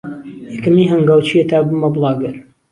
یەکەمین هەنگاو چییە تا ببمە بڵاگەر؟